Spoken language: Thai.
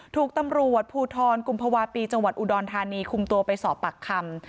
ถูกตำรวจภูทรกุมภาวะปีจังหวัดอุดรธานีคุมตัวไปสอบปากคำ